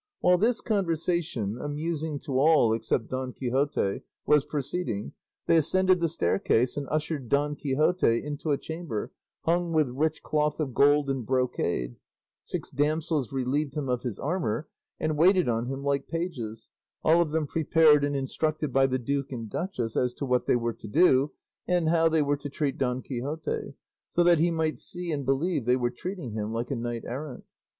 While this conversation, amusing to all except Don Quixote, was proceeding, they ascended the staircase and ushered Don Quixote into a chamber hung with rich cloth of gold and brocade; six damsels relieved him of his armour and waited on him like pages, all of them prepared and instructed by the duke and duchess as to what they were to do, and how they were to treat Don Quixote, so that he might see and believe they were treating him like a knight errant.